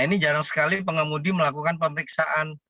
ini jarang sekali pengemudi melakukan pemeriksaan